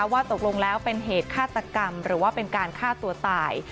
ว่าตกลงแล้วเป็นเหตุฆาตกรรมหรือว่าเป็นการฆ่าตัวตาย